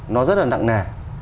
nó rất là nặng nẻ